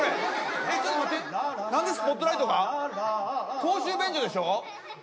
公衆便所でしょ？